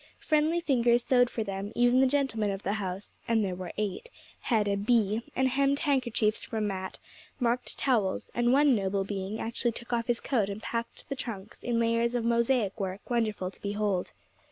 Friendly fingers sewed for them; even the gentlemen of the house and there were eight had a 'bee,' and hemmed handkerchiefs for Mat, marked towels; and one noble being actually took off his coat and packed the trunks in layers of mosaic work wonderful to behold.